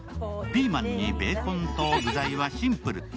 ピーマンにベーコンと具材はシンプル。